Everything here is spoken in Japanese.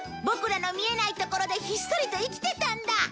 ボクらの見えない所でひっそりと生きてたんだ